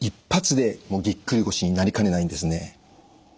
１発でぎっくり腰になりかねないんですね。